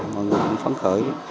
mọi người cũng phán khởi